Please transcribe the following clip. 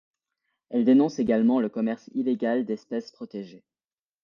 Elle dénonce également le commerce illégal d'espèces protégées.